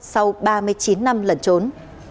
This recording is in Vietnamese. sau ba mươi chín năm lần trốn